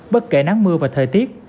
bất kể nắng mưa và thời tiết